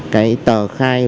cái tờ khai